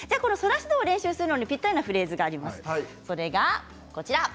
練習するのにぴったりなフレーズがあります。